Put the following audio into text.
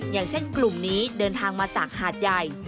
อย่างเช่นกลุ่มนี้เดินทางมาจากหาดใหญ่